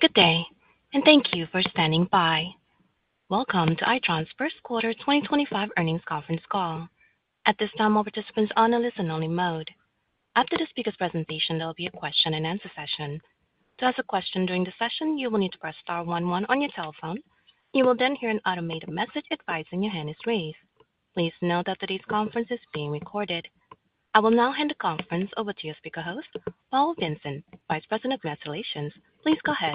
Good day, and thank you for standing by. Welcome to Itron's first quarter 2025 earnings conference call. At this time, all participants are on a listen-only mode. After the speaker's presentation, there will be a question-and-answer session. To ask a question during the session, you will need to press star 1 1 on your telephone. You will then hear an automated message advising your hand is raised. Please note that today's conference is being recorded. I will now hand the conference over to your speaker host, Paul Vincent, Vice President of Investor Relations. Please go ahead.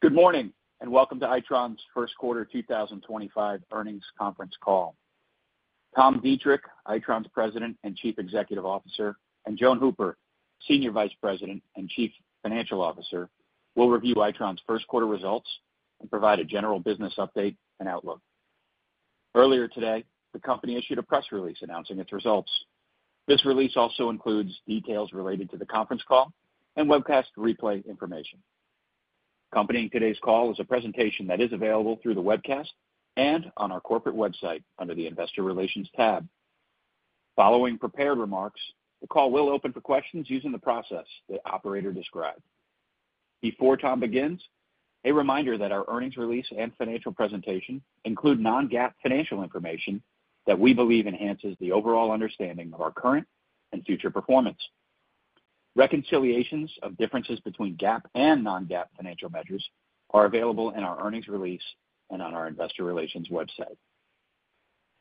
Good morning, and welcome to Itron's first quarter 2025 earnings conference call. Tom Deitrich, Itron's President and Chief Executive Officer, and Joan Hooper, Senior Vice President and Chief Financial Officer, will review Itron's first quarter results and provide a general business update and outlook. Earlier today, the company issued a press release announcing its results. This release also includes details related to the conference call and webcast replay information. Accompanying today's call is a presentation that is available through the webcast and on our corporate website under the Investor Relations tab. Following prepared remarks, the call will open for questions using the process the operator described. Before Tom begins, a reminder that our earnings release and financial presentation include non-GAAP financial information that we believe enhances the overall understanding of our current and future performance. Reconciliations of differences between GAAP and non-GAAP financial measures are available in our earnings release and on our Investor Relations website.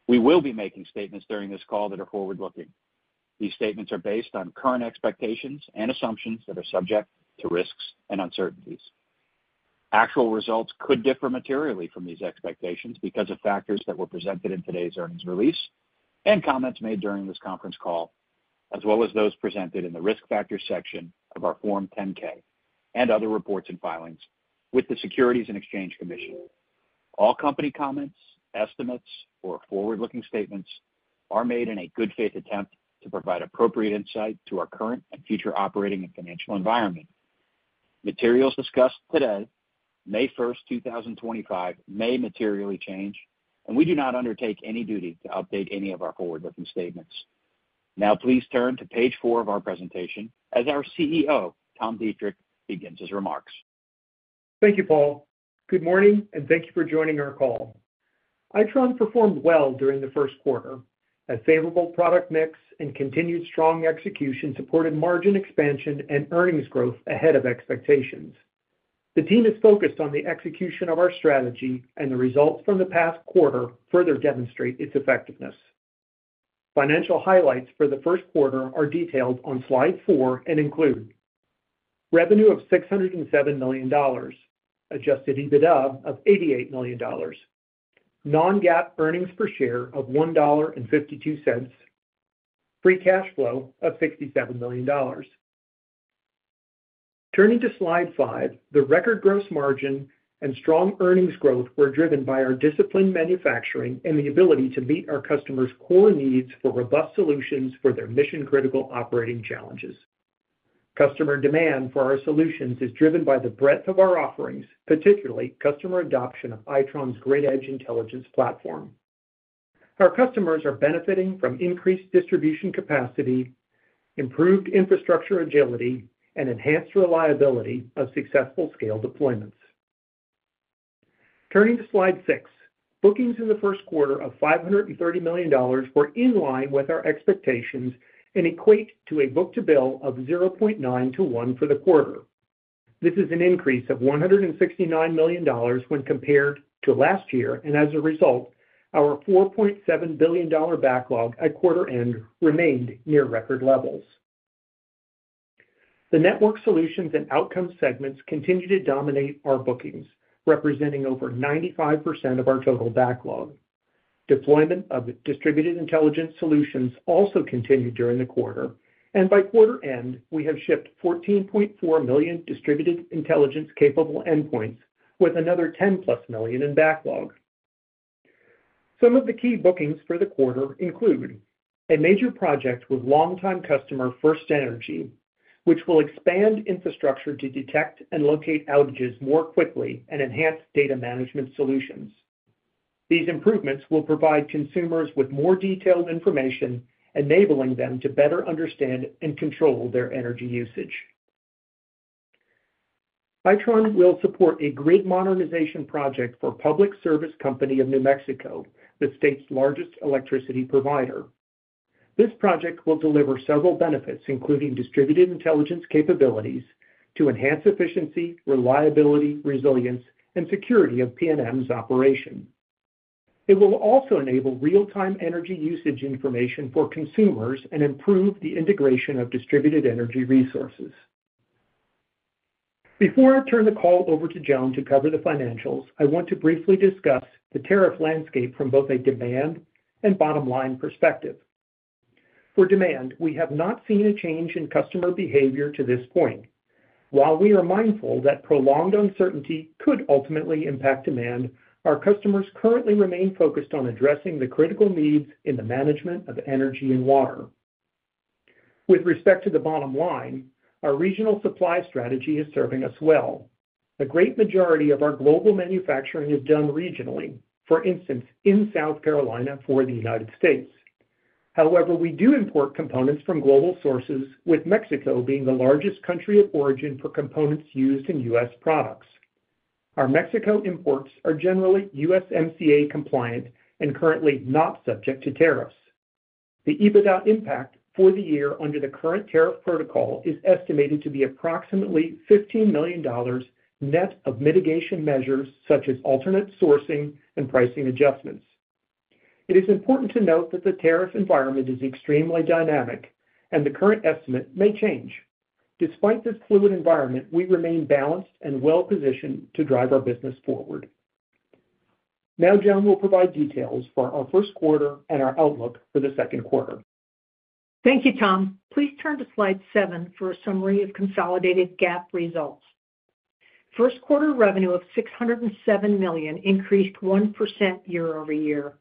We will be making statements during this call that are forward-looking. These statements are based on current expectations and assumptions that are subject to risks and uncertainties. Actual results could differ materially from these expectations because of factors that were presented in today's earnings release and comments made during this conference call, as well as those presented in the risk factors section of our Form 10-K and other reports and filings with the Securities and Exchange Commission. All company comments, estimates, or forward-looking statements are made in a good faith attempt to provide appropriate insight to our current and future operating and financial environment. Materials discussed today, May 1st, 2025, may materially change, and we do not undertake any duty to update any of our forward-looking statements. Now, please turn to page four of our presentation as our CEO, Tom Deitrich, begins his remarks. Thank you, Paul. Good morning, and thank you for joining our call. Itron performed well during the first quarter. A favorable product mix and continued strong execution supported margin expansion and earnings growth ahead of expectations. The team is focused on the execution of our strategy, and the results from the past quarter further demonstrate its effectiveness. Financial highlights for the first quarter are detailed on slide four and include revenue of $607 million, adjusted EBITDA of $88 million, non-GAAP earnings per share of $1.52, free cash flow of $67 million. Turning to slide five, the record gross margin and strong earnings growth were driven by our disciplined manufacturing and the ability to meet our customers' core needs for robust solutions for their mission-critical operating challenges. Customer demand for our solutions is driven by the breadth of our offerings, particularly customer adoption of Itron's grid edge intelligence platform. Our customers are benefiting from increased distribution capacity, improved infrastructure agility, and enhanced reliability of successful scale deployments. Turning to slide six, bookings in the first quarter of $530 million were in line with our expectations and equate to a book to bill of 0.9-1 for the quarter. This is an increase of $169 million when compared to last year, and as a result, our $4.7 billion backlog at quarter end remained near record levels. The Network Solutions and Outcomes segments continue to dominate our bookings, representing over 95% of our total backlog. Deployment of distributed intelligence solutions also continued during the quarter, and by quarter end, we have shipped 14.4 million distributed intelligence-capable endpoints, with another 10+ million in backlog. Some of the key bookings for the quarter include a major project with longtime customer FirstEnergy, which will expand infrastructure to detect and locate outages more quickly and enhance data management solutions. These improvements will provide consumers with more detailed information, enabling them to better understand and control their energy usage. Itron will support a grid modernization project for Public Service Company of New Mexico, the state's largest electricity provider. This project will deliver several benefits, including distributed intelligence capabilities to enhance efficiency, reliability, resilience, and security of PNM's operation. It will also enable real-time energy usage information for consumers and improve the integration of distributed energy resources. Before I turn the call over to Joan to cover the financials, I want to briefly discuss the tariff landscape from both a demand and bottom line perspective. For demand, we have not seen a change in customer behavior to this point. While we are mindful that prolonged uncertainty could ultimately impact demand, our customers currently remain focused on addressing the critical needs in the management of energy and water. With respect to the bottom line, our regional supply strategy is serving us well. A great majority of our global manufacturing is done regionally, for instance, in South Carolina for the United States. However, we do import components from global sources, with Mexico being the largest country of origin for components used in U.S. products. Our Mexico imports are generally USMCA compliant and currently not subject to tariffs. The EBITDA impact for the year under the current tariff protocol is estimated to be approximately $15 million net of mitigation measures such as alternate sourcing and pricing adjustments. It is important to note that the tariff environment is extremely dynamic, and the current estimate may change. Despite this fluid environment, we remain balanced and well-positioned to drive our business forward. Now, Joan will provide details for our first quarter and our outlook for the second quarter. Thank you, Tom. Please turn to slide seven for a summary of consolidated GAAP results. First quarter revenue of $607 million increased 1% year-over-year.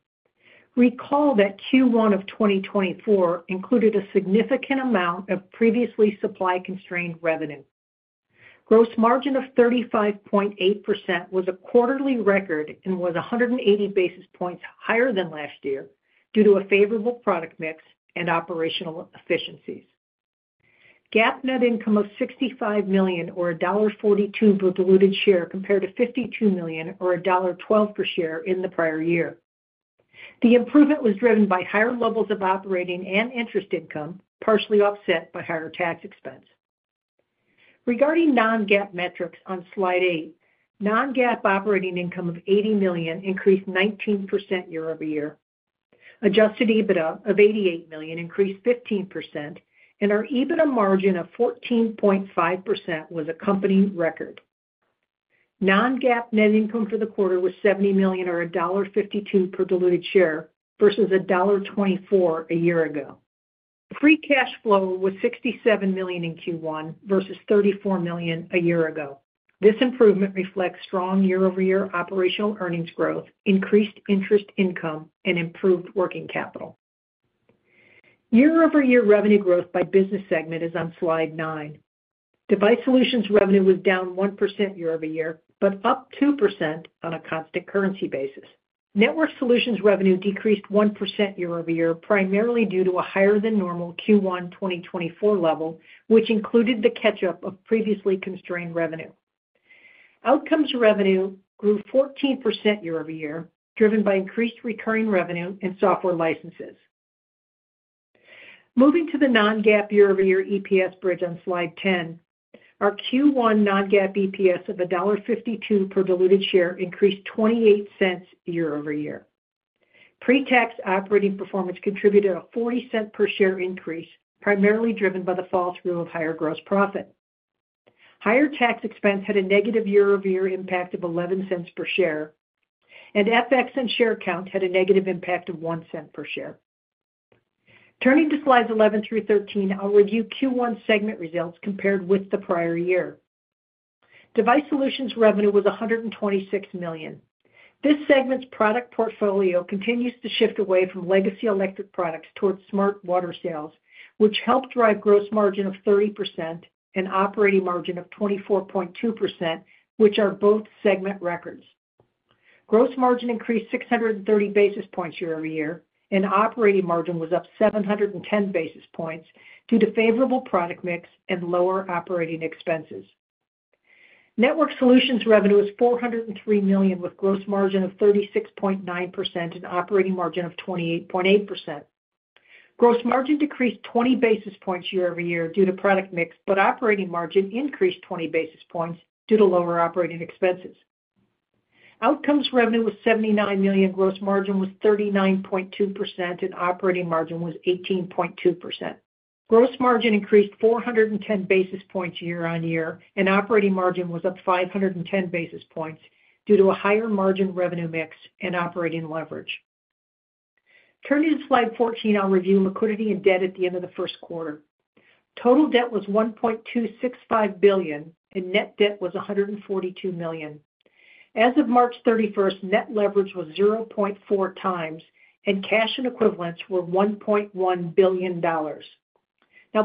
Recall that Q1 of 2024 included a significant amount of previously supply-constrained revenue. Gross margin of 35.8% was a quarterly record and was 180 basis points higher than last year due to a favorable product mix and operational efficiencies. GAAP net income of $65 million, or $1.42 per diluted share, compared to $52 million, or $1.12 per share in the prior year. The improvement was driven by higher levels of operating and interest income, partially offset by higher tax expense. Regarding non-GAAP metrics on slide eight, non-GAAP operating income of $80 million increased 19% year-over-year. Adjusted EBITDA of $88 million increased 15%, and our EBITDA margin of 14.5% was a company record. Non-GAAP net income for the quarter was $70 million, or $1.52 per diluted share, versus $1.24 a year ago. Free cash flow was $67 million in Q1 versus $34 million a year ago. This improvement reflects strong year-over-year operational earnings growth, increased interest income, and improved working capital. Year-over-year revenue growth by business segment is on slide nine. Device Solutions revenue was down 1% year-over-year, but up 2% on a constant currency basis. Network Solutions revenue decreased 1% year-over-year, primarily due to a higher-than-normal Q1 2024 level, which included the catch-up of previously constrained revenue. Outcomes revenue grew 14% year-over-year, driven by increased recurring revenue and software licenses. Moving to the non-GAAP year-over-year EPS bridge on slide 10, our Q1 non-GAAP EPS of $1.52 per diluted share increased 28 cents year-over-year. Pretax operating performance contributed a $0.40 per share increase, primarily driven by the fall through of higher gross profit. Higher tax expense had a negative year-over-year impact of $0.11 per share, and FX and share count had a negative impact of $0.01 per share. Turning to slides 11 through 13, I'll review Q1 segment results compared with the prior year. Device Solutions revenue was $126 million. This segment's product portfolio continues to shift away from legacy electric products towards smart water sales, which helped drive gross margin of 30% and operating margin of 24.2%, which are both segment records. Gross margin increased 630 basis points year-over-year, and operating margin was up 710 basis points due to favorable product mix and lower operating expenses. Network Solutions revenue was $403 million, with gross margin of 36.9% and operating margin of 28.8%. Gross margin decreased 20 basis points year-over-year due to product mix, but operating margin increased 20 basis points due to lower operating expenses. Outcomes revenue was $79 million. Gross margin was 39.2%, and operating margin was 18.2%. Gross margin increased 410 basis points year on year, and operating margin was up 510 basis points due to a higher margin revenue mix and operating leverage. Turning to slide 14, I'll review liquidity and debt at the end of the first quarter. Total debt was $1.265 billion, and net debt was $142 million. As of March 31st, net leverage was 0.4x, and cash and equivalents were $1.1 billion. Now,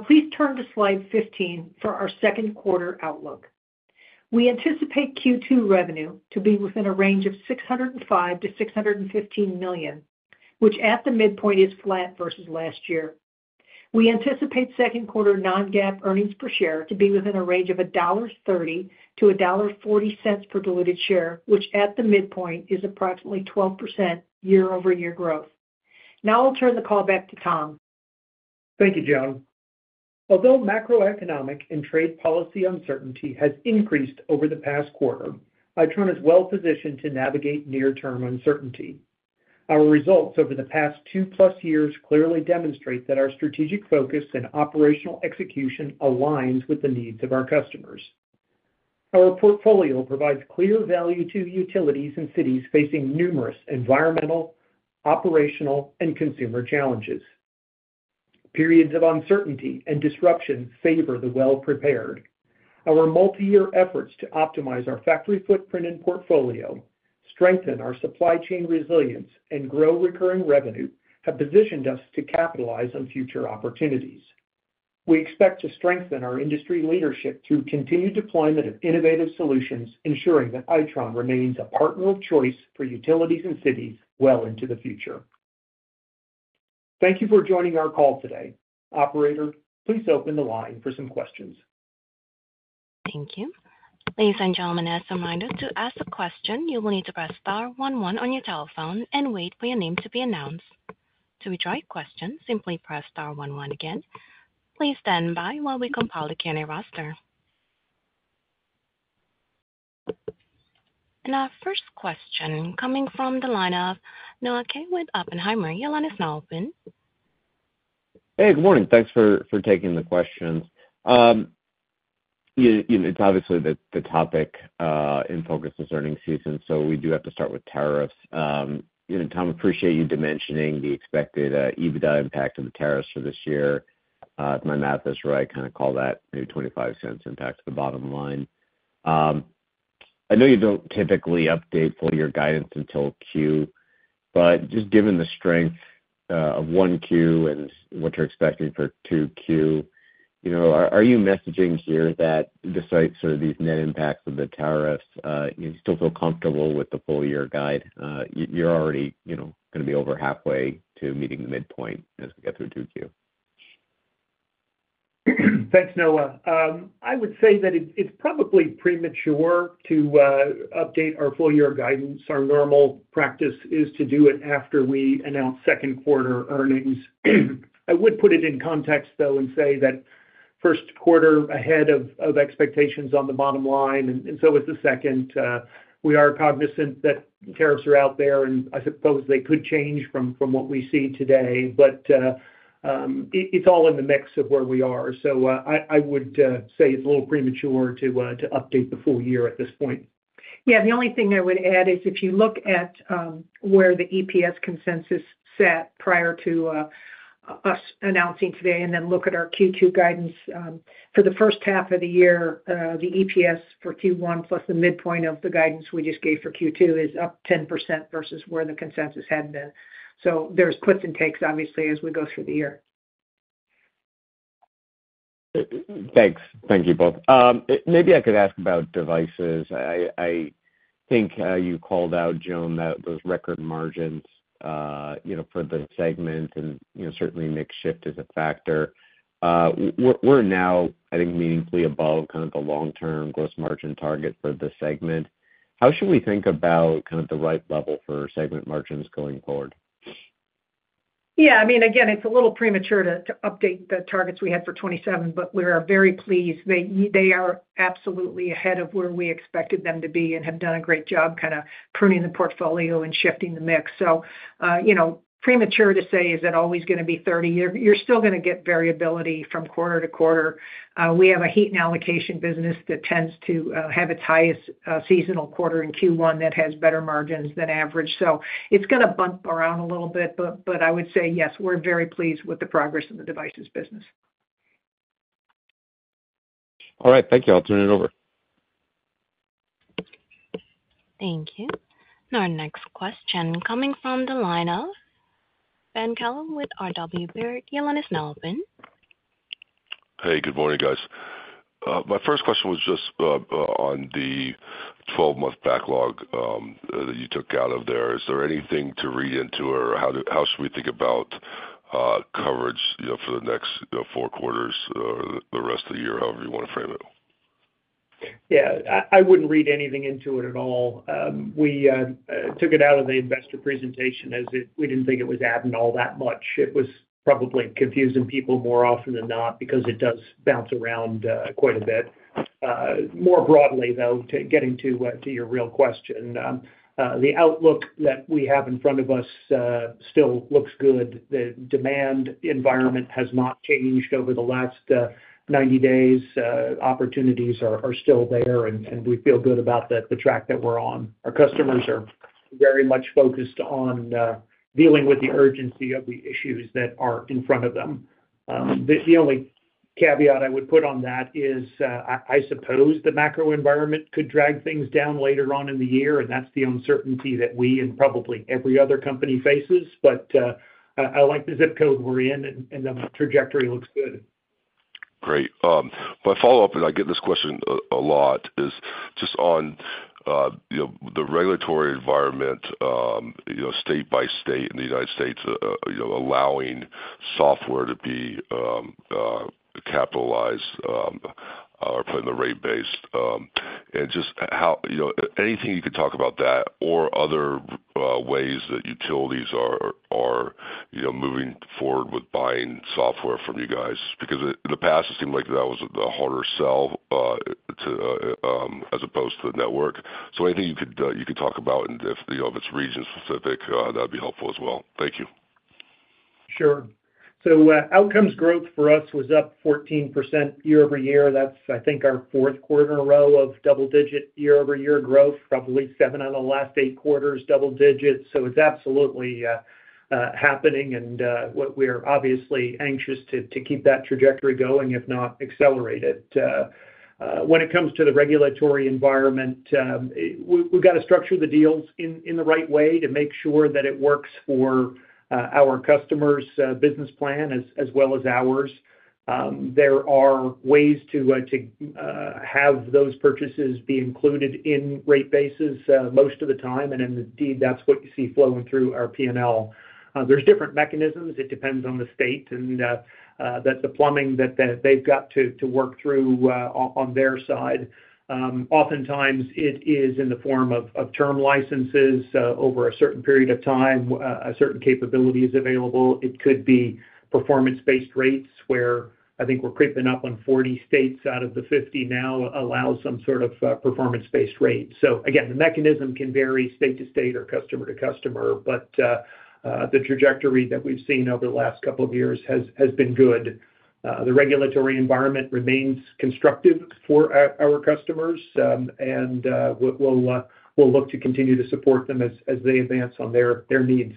please turn to slide 15 for our second quarter outlook. We anticipate Q2 revenue to be within a range of $605-$615 million, which at the midpoint is flat versus last year. We anticipate second quarter non-GAAP earnings per share to be within a range of $1.30-$1.40 per diluted share, which at the midpoint is approximately 12% year-over-year growth. Now, I'll turn the call back to Tom. Thank you, Joan. Although macroeconomic and trade policy uncertainty has increased over the past quarter, Itron is well-positioned to navigate near-term uncertainty. Our results over the past 2+ years clearly demonstrate that our strategic focus and operational execution aligns with the needs of our customers. Our portfolio provides clear value to utilities and cities facing numerous environmental, operational, and consumer challenges. Periods of uncertainty and disruption favor the well-prepared. Our multi-year efforts to optimize our factory footprint and portfolio, strengthen our supply chain resilience, and grow recurring revenue have positioned us to capitalize on future opportunities. We expect to strengthen our industry leadership through continued deployment of innovative solutions, ensuring that Itron remains a partner of choice for utilities and cities well into the future. Thank you for joining our call today. Operator, please open the line for some questions. Thank you. Ladies and gentlemen, as a reminder, to ask a question, you will need to press star 11 on your telephone and wait for your name to be announced. To retry a question, simply press star 11 again. Please stand by while we compile the candidate roster. Our first question coming from the line of Noah Kaye with Oppenheimer. Your line is now open. Hey, good morning. Thanks for taking the questions. It's obviously the topic in focus this earning season, so we do have to start with tariffs. Tom, I appreciate you mentioning the expected EBITDA impact of the tariffs for this year. If my math is right, kind of call that maybe $0.25 impact to the bottom line. I know you don't typically update full year guidance until Q, but just given the strength of 1Q and what you're expecting for 2Q, are you messaging here that despite sort of these net impacts of the tariffs, you still feel comfortable with the full year guide? You're already going to be over halfway to meeting the midpoint as we get through 2Q. Thanks, Noah. I would say that it's probably premature to update our full year guidance. Our normal practice is to do it after we announce second quarter earnings. I would put it in context, though, and say that first quarter ahead of expectations on the bottom line, and so is the second. We are cognizant that tariffs are out there, and I suppose they could change from what we see today, but it's all in the mix of where we are. I would say it's a little premature to update the full year at this point. Yeah, the only thing I would add is if you look at where the EPS consensus sat prior to us announcing today and then look at our Q2 guidance for the first half of the year, the EPS for Q1 plus the midpoint of the guidance we just gave for Q2 is up 10% versus where the consensus had been. There are puts and takes, obviously, as we go through the year. Thanks. Thank you both. Maybe I could ask about devices. I think you called out, Joan, those record margins for the segment, and certainly mix shift is a factor. We're now, I think, meaningfully above kind of the long-term gross margin target for the segment. How should we think about kind of the right level for segment margins going forward? Yeah, I mean, again, it's a little premature to update the targets we had for 2027, but we are very pleased. They are absolutely ahead of where we expected them to be and have done a great job kind of pruning the portfolio and shifting the mix. It's premature to say, is it always going to be 30? You're still going to get variability from quarter to quarter. We have a heat and allocation business that tends to have its highest seasonal quarter in Q1 that has better margins than average. It's going to bump around a little bit, but I would say, yes, we're very pleased with the progress in the devices business. All right. Thank you. I'll turn it over. Thank you. Our next question coming from the line of Ben Kallo with R.W. Baird. Your line is now open. Hey, good morning, guys. My first question was just on the 12-month backlog that you took out of there. Is there anything to read into it, or how should we think about coverage for the next four quarters or the rest of the year, however you want to frame it? Yeah, I would not read anything into it at all. We took it out of the investor presentation as we did not think it was adding all that much. It was probably confusing people more often than not because it does bounce around quite a bit. More broadly, though, to get into your real question, the outlook that we have in front of us still looks good. The demand environment has not changed over the last 90 days. Opportunities are still there, and we feel good about the track that we are on. Our customers are very much focused on dealing with the urgency of the issues that are in front of them. The only caveat I would put on that is I suppose the macro environment could drag things down later on in the year, and that is the uncertainty that we and probably every other company faces. I like the zip code we're in, and the trajectory looks good. Great. My follow-up, and I get this question a lot, is just on the regulatory environment, state by state in the United States, allowing software to be capitalized or put in the rate base. Anything you could talk about that or other ways that utilities are moving forward with buying software from you guys? In the past, it seemed like that was the harder sell as opposed to the network. Anything you could talk about, and if it is region-specific, that would be helpful as well. Thank you. Sure. Outcomes growth for us was up 14% year-over-year. That's, I think, our fourth quarter in a row of double-digit year-over-year growth, probably seven out of the last eight quarters, double digits. It is absolutely happening, and we are obviously anxious to keep that trajectory going, if not accelerate it. When it comes to the regulatory environment, we've got to structure the deals in the right way to make sure that it works for our customers' business plan as well as ours. There are ways to have those purchases be included in rate bases most of the time, and indeed, that's what you see flowing through our P&L. There are different mechanisms. It depends on the state, and that's the plumbing that they've got to work through on their side. Oftentimes, it is in the form of term licenses over a certain period of time. A certain capability is available. It could be performance-based rates, where I think we're creeping up on 40 states out of the 50 now, allows some sort of performance-based rate. The mechanism can vary state to state or customer to customer, but the trajectory that we've seen over the last couple of years has been good. The regulatory environment remains constructive for our customers, and we'll look to continue to support them as they advance on their needs.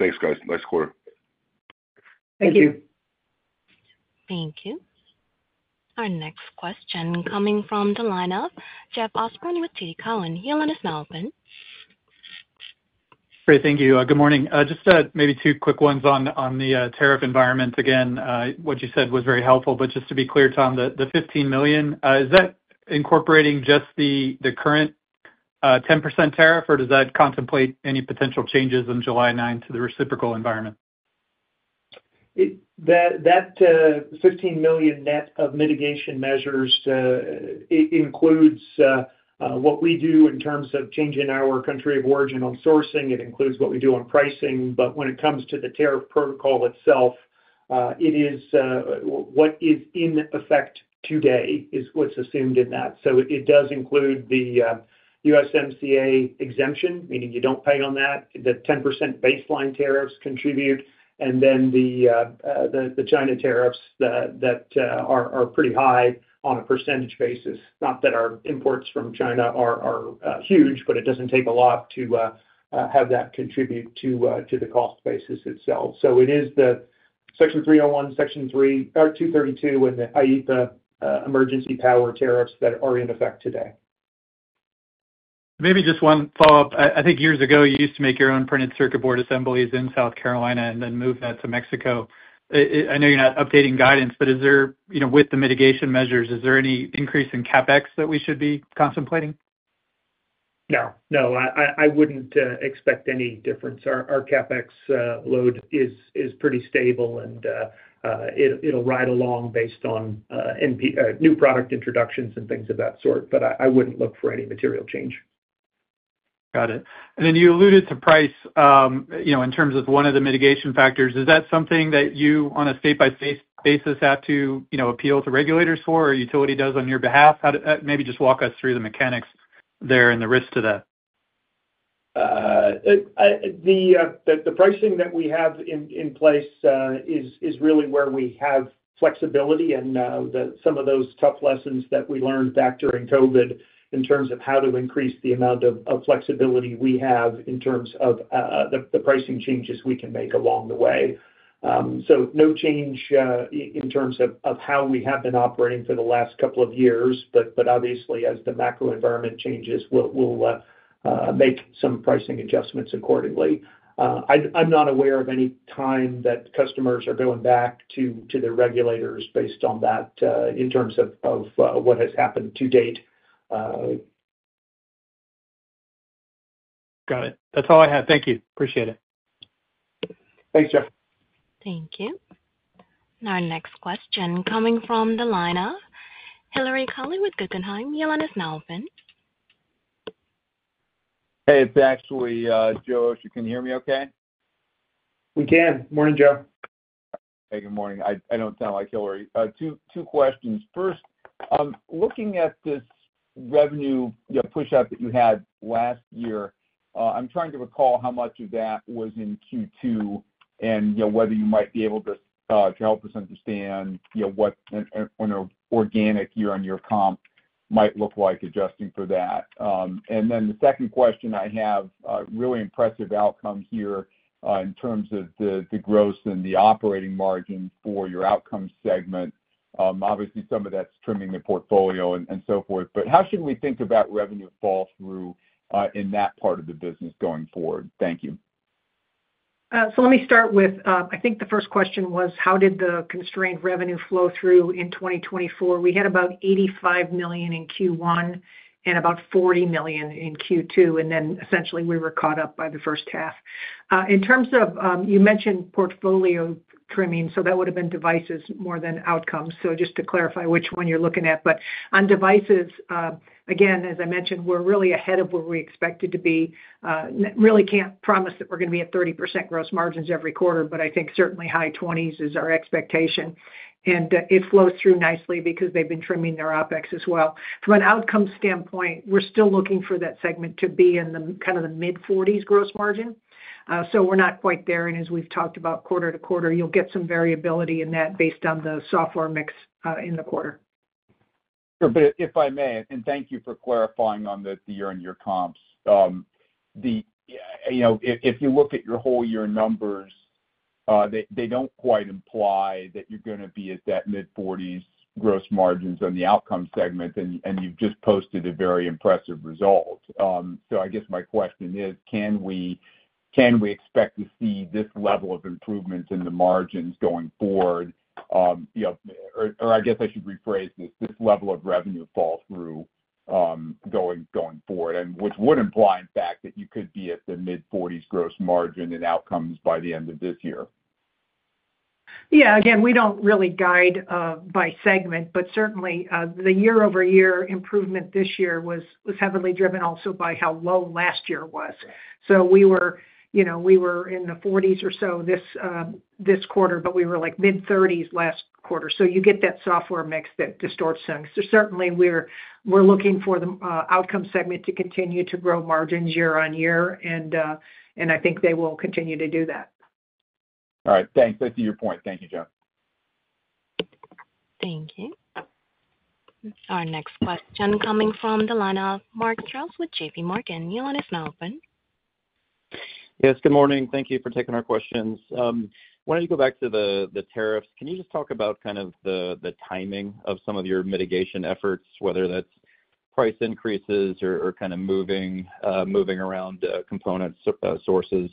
Thanks, guys. Nice quarter. Thank you. Thank you. Our next question coming from the line of Jeff Osborne with TD Cowen. Your line is now open. Great. Thank you. Good morning. Just maybe two quick ones on the tariff environment. Again, what you said was very helpful, but just to be clear, Tom, the $15 million, is that incorporating just the current 10% tariff, or does that contemplate any potential changes on July 9th to the reciprocal environment? That $15 million net of mitigation measures includes what we do in terms of changing our country of origin on sourcing. It includes what we do on pricing. When it comes to the tariff protocol itself, what is in effect today is what's assumed in that. It does include the USMCA exemption, meaning you do not pay on that. The 10% baseline tariffs contribute, and then the China tariffs that are pretty high on a percentage basis. Not that our imports from China are huge, but it does not take a lot to have that contribute to the cost basis itself. It is the Section 301, Section 232, and the IEEPA emergency power tariffs that are in effect today. Maybe just one follow-up. I think years ago, you used to make your own printed circuit board assemblies in South Carolina and then move that to Mexico. I know you're not updating guidance, but with the mitigation measures, is there any increase in CapEx that we should be contemplating? No. No, I wouldn't expect any difference. Our CapEx load is pretty stable, and it'll ride along based on new product introductions and things of that sort, but I wouldn't look for any material change. Got it. You alluded to price in terms of one of the mitigation factors. Is that something that you, on a state-by-state basis, have to appeal to regulators for, or utility does on your behalf? Maybe just walk us through the mechanics there and the risks to that. The pricing that we have in place is really where we have flexibility and some of those tough lessons that we learned back during COVID in terms of how to increase the amount of flexibility we have in terms of the pricing changes we can make along the way. No change in terms of how we have been operating for the last couple of years, but obviously, as the macro environment changes, we'll make some pricing adjustments accordingly. I'm not aware of any time that customers are going back to their regulators based on that in terms of what has happened to date. Got it. That's all I have. Thank you. Appreciate it. Thanks, Jeff. Thank you. Our next question coming from the line of Hilary Cauley with Guggenheim. Your line is now open. Hey, it's actually Joe. You can hear me okay? We can. Good morning, Joe. Hey, good morning. I do not sound like Hilary. Two questions. First, looking at this revenue push-up that you had last year, I am trying to recall how much of that was in Q2 and whether you might be able to help us understand what an organic year-on-year comp might look like adjusting for that. The second question I have, really impressive outcome here in terms of the gross and the operating margin for your outcome segment. Obviously, some of that is trimming the portfolio and so forth, but how should we think about revenue fall through in that part of the business going forward? Thank you. Let me start with, I think the first question was, how did the constrained revenue flow through in 2024? We had about $85 million in Q1 and about $40 million in Q2, and then essentially we were caught up by the first half. In terms of, you mentioned portfolio trimming, that would have been devices more than outcomes. Just to clarify which one you're looking at, but on devices, again, as I mentioned, we're really ahead of where we expected to be. Really can't promise that we're going to be at 30% gross margins every quarter, but I think certainly high 20s is our expectation. It flows through nicely because they've been trimming their OpEx as well. From an outcome standpoint, we're still looking for that segment to be in kind of the mid-40s gross margin. We're not quite there. As we've talked about, quarter to quarter, you'll get some variability in that based on the software mix in the quarter. Sure. If I may, and thank you for clarifying on the year-on-year comps. If you look at your whole year numbers, they do not quite imply that you are going to be at that mid-40% gross margins on the Outcomes segment, and you have just posted a very impressive result. I guess my question is, can we expect to see this level of improvement in the margins going forward? I guess I should rephrase this, this level of revenue fall through going forward, which would imply, in fact, that you could be at the mid-40% gross margin in Outcomes by the end of this year. Yeah. Again, we do not really guide by segment, but certainly the year-over-year improvement this year was heavily driven also by how low last year was. We were in the 40s or so this quarter, but we were like mid-30s last quarter. You get that software mix that distorts things. Certainly, we are looking for the Outcomes segment to continue to grow margins year on year, and I think they will continue to do that. All right. Thanks. That's to your point. Thank you, Jeff. Thank you. Our next question coming from the line of Mark Strouse with JPMorgan. Your line is now open. Yes. Good morning. Thank you for taking our questions. Why don't you go back to the tariffs? Can you just talk about kind of the timing of some of your mitigation efforts, whether that's price increases or kind of moving around component sources?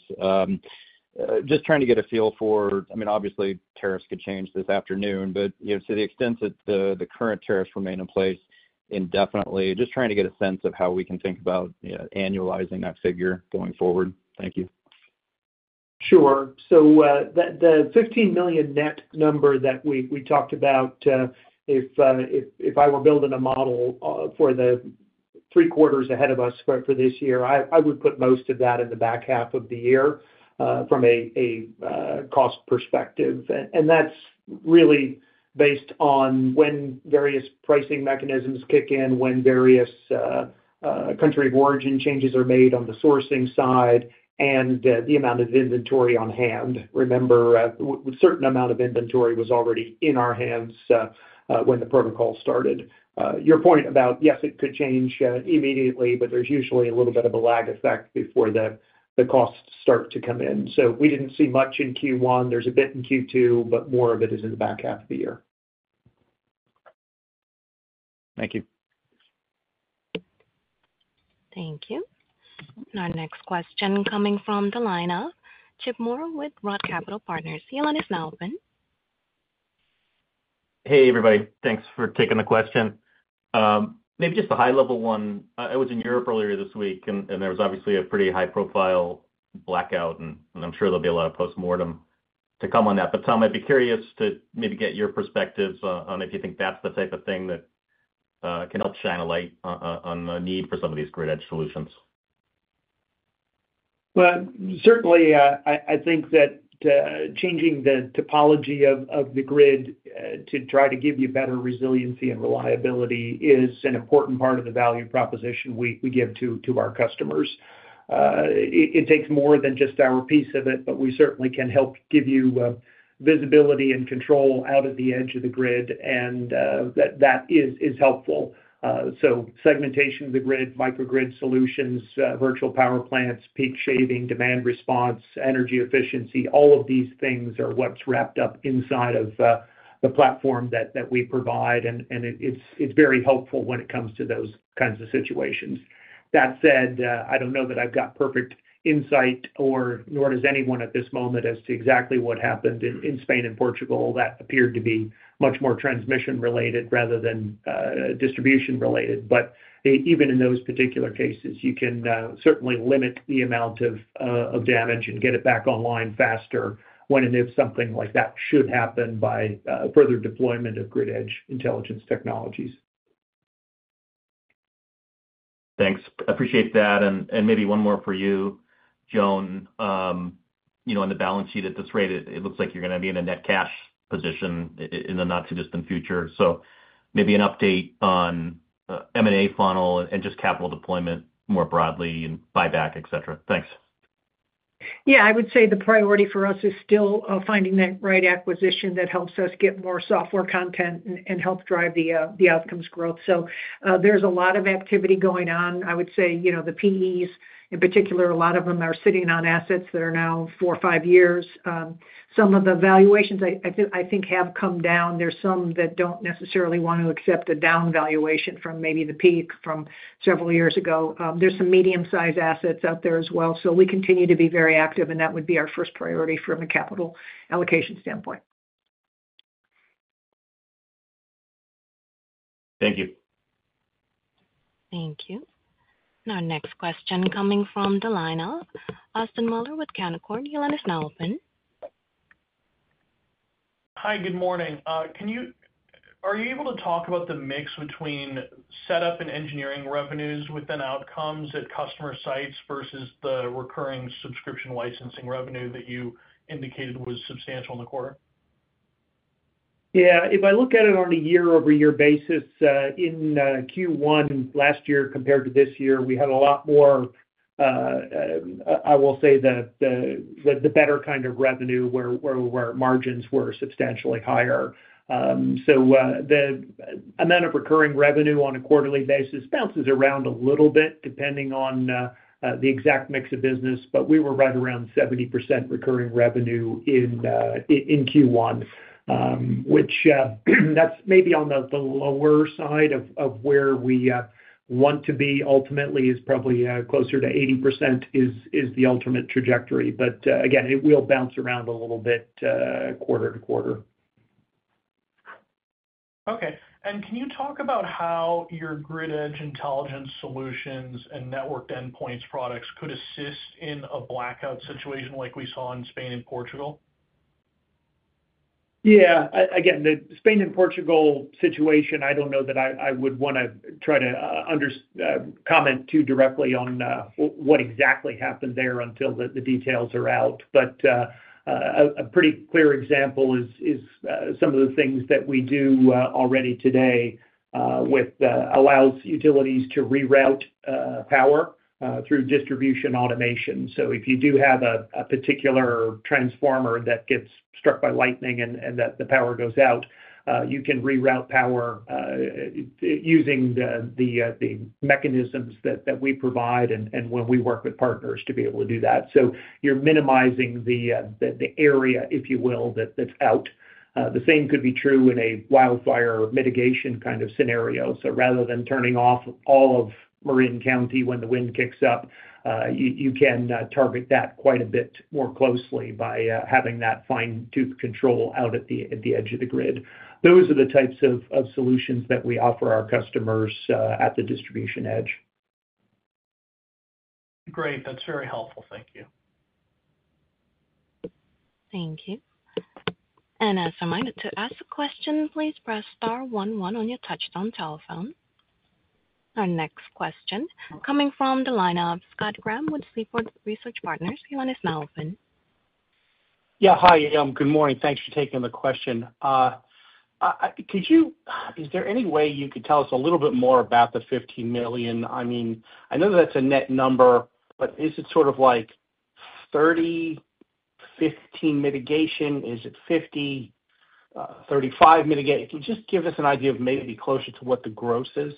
Just trying to get a feel for, I mean, obviously, tariffs could change this afternoon, but to the extent that the current tariffs remain in place indefinitely, just trying to get a sense of how we can think about annualizing that figure going forward. Thank you. Sure. The $15 million net number that we talked about, if I were building a model for the three quarters ahead of us for this year, I would put most of that in the back half of the year from a cost perspective. That is really based on when various pricing mechanisms kick in, when various country of origin changes are made on the sourcing side, and the amount of inventory on hand. Remember, a certain amount of inventory was already in our hands when the protocol started. Your point about, yes, it could change immediately, but there is usually a little bit of a lag effect before the costs start to come in. We did not see much in Q1. There is a bit in Q2, but more of it is in the back half of the year. Thank you. Thank you. Our next question coming from the line of Chip Moore with Roth Capital Partners. Your line is now open. Hey, everybody. Thanks for taking the question. Maybe just a high-level one. I was in Europe earlier this week, and there was obviously a pretty high-profile blackout, and I'm sure there'll be a lot of postmortem to come on that. Tom, I'd be curious to maybe get your perspective on if you think that's the type of thing that can help shine a light on the need for some of these grid-edge solutions. I think that changing the topology of the grid to try to give you better resiliency and reliability is an important part of the value proposition we give to our customers. It takes more than just our piece of it, but we certainly can help give you visibility and control out at the edge of the grid, and that is helpful. Segmentation of the grid, microgrid solutions, virtual power plants, peak shaving, demand response, energy efficiency, all of these things are what's wrapped up inside of the platform that we provide, and it's very helpful when it comes to those kinds of situations. That said, I don't know that I've got perfect insight, nor does anyone at this moment as to exactly what happened in Spain and Portugal. That appeared to be much more transmission-related rather than distribution-related. Even in those particular cases, you can certainly limit the amount of damage and get it back online faster when and if something like that should happen by further deployment of grid-edge intelligence technologies. Thanks. I appreciate that. Maybe one more for you, Joan. On the balance sheet at this rate, it looks like you're going to be in a net cash position in the not-too-distant future. Maybe an update on M&A funnel and just capital deployment more broadly and buyback, etc. Thanks. Yeah. I would say the priority for us is still finding that right acquisition that helps us get more software content and help drive the outcomes growth. There is a lot of activity going on. I would say the PEs, in particular, a lot of them are sitting on assets that are now four or five years. Some of the valuations, I think, have come down. There are some that do not necessarily want to accept a down valuation from maybe the peak from several years ago. There are some medium-sized assets out there as well. We continue to be very active, and that would be our first priority from a capital allocation standpoint. Thank you. Thank you. Our next question coming from the line of Austin Moeller with Canaccord. Your line is now open. Hi. Good morning. Are you able to talk about the mix between setup and engineering revenues within Outcomes at customer sites versus the recurring subscription licensing revenue that you indicated was substantial in the quarter? Yeah. If I look at it on a year-over-year basis, in Q1 last year compared to this year, we had a lot more, I will say, the better kind of revenue where margins were substantially higher. So the amount of recurring revenue on a quarterly basis bounces around a little bit depending on the exact mix of business, but we were right around 70% recurring revenue in Q1, which that's maybe on the lower side of where we want to be. Ultimately, it's probably closer to 80% is the ultimate trajectory. Again, it will bounce around a little bit quarter to quarter. Okay. Can you talk about how your grid-edge intelligence solutions and network endpoints products could assist in a blackout situation like we saw in Spain and Portugal? Yeah. Again, the Spain and Portugal situation, I do not know that I would want to try to comment too directly on what exactly happened there until the details are out. A pretty clear example is some of the things that we do already today, which allows utilities to reroute power through distribution automation. If you do have a particular transformer that gets struck by lightning and the power goes out, you can reroute power using the mechanisms that we provide and when we work with partners to be able to do that. You are minimizing the area, if you will, that is out. The same could be true in a wildfire mitigation kind of scenario. Rather than turning off all of Marin County when the wind kicks up, you can target that quite a bit more closely by having that fine-tooth control out at the edge of the grid. Those are the types of solutions that we offer our customers at the distribution edge. Great. That's very helpful. Thank you. Thank you. As a reminder, to ask a question, please press star 11 on your touchtone telephone. Our next question coming from the line of Scott Graham with Seaport Research Partners. Your line is now open. Yeah. Hi, Adam. Good morning. Thanks for taking the question. Is there any way you could tell us a little bit more about the $15 million? I mean, I know that's a net number, but is it sort of like $30 million, $15 million mitigation? Is it $50 million, $35 million mitigation? Just give us an idea of maybe closer to what the gross is.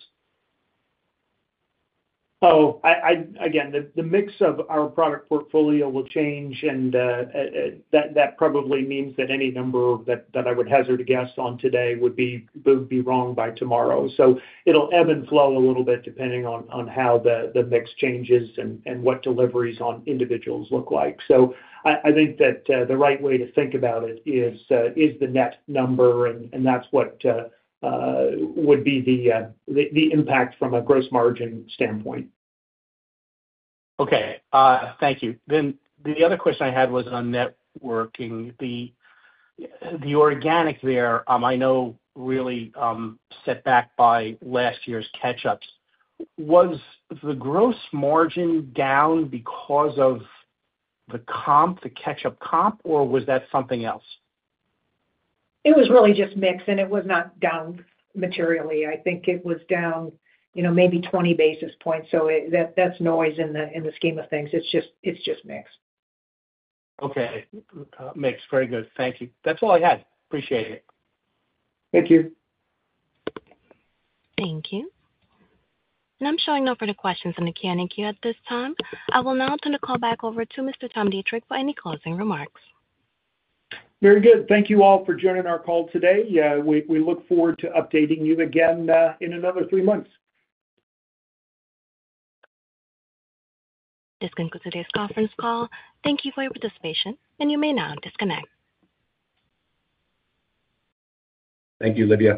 Again, the mix of our product portfolio will change, and that probably means that any number that I would hazard a guess on today would be wrong by tomorrow. It'll ebb and flow a little bit depending on how the mix changes and what deliveries on individuals look like. I think that the right way to think about it is the net number, and that's what would be the impact from a gross margin standpoint. Okay. Thank you. The other question I had was on networking. The organic there, I know really set back by last year's catch-ups. Was the gross margin down because of the catch-up comp, or was that something else? It was really just mix, and it was not down materially. I think it was down maybe 20 basis points. That is noise in the scheme of things. It is just mix. Okay. Mix. Very good. Thank you. That's all I had. Appreciate it. Thank you. Thank you. I am showing no further questions on the Q&A queue at this time. I will now turn the call back over to Mr. Tom Deitrich for any closing remarks. Very good. Thank you all for joining our call today. We look forward to updating you again in another three months. This concludes today's conference call. Thank you for your participation, and you may now disconnect. Thank you, Olivia.